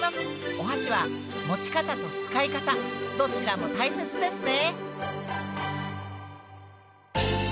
おはしは持ち方と使い方どちらも大切ですね！